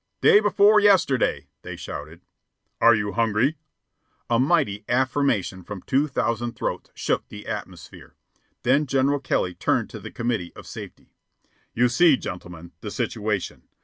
"Day before yesterday," they shouted. "Are you hungry?" A mighty affirmation from two thousand throats shook the atmosphere. Then General Kelly turned to the committee of safety: "You see, gentlemen, the situation.